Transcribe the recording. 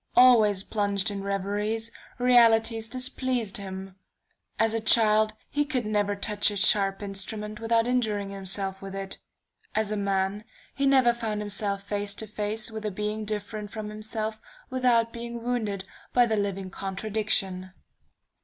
Always plunged in reveries, realities displeased him. As a child he could never touch a sharp instrument without injuring himself with it; as a man, he never found himself face to face with a being different from himself without being wounded by the living contradiction...